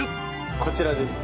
こちらです。